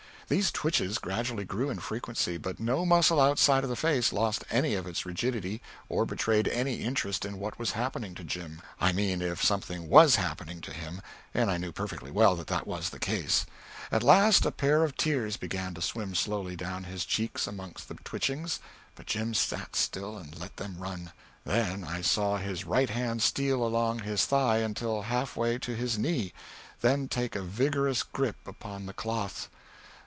These twitches gradually grew in frequency, but no muscle outside of the face lost any of its rigidity, or betrayed any interest in what was happening to Jim. I mean if something was happening to him, and I knew perfectly well that that was the case. At last a pair of tears began to swim slowly down his cheeks amongst the twitchings, but Jim sat still and let them run; then I saw his right hand steal along his thigh until half way to his knee, then take a vigorous grip upon the cloth.